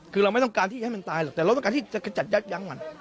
คือเราไม่ต้องการที่ให้มันตายหรอกแต่เราต้องการที่จะขจัดยักยั้งมัน